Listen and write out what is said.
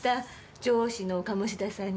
上司の鴨志田さんに。